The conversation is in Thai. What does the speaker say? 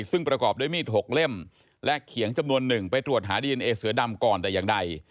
ซึ่งประกอบด้วยมีด๖เล่มและเขียงจำนวน๑ไปตรวจหาดีเอนเอเสือดำก่อนแต่อย่างใด